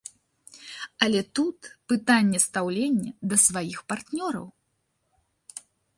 Але тут пытанне стаўлення да сваіх партнёраў.